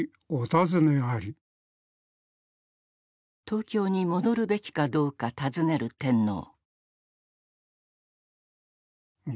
東京に戻るべきかどうか尋ねる天皇。